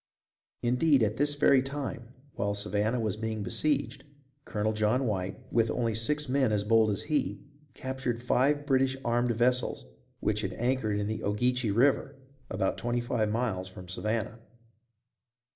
Indeed, at this very time, while Savannah was being besieged. Colonel John White, with only six men as bold as he, captured five British armed vessels which had anchored in the Ogeechee River, about twenty five miles from Savannah.